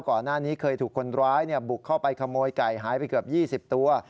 ก่อนหน้านี้เคยถูกคนร้ายบุกเข้าไปขโมยไก่หายไปเกือบ๒๐ตัว